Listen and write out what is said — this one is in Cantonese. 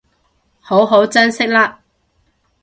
好好珍惜喇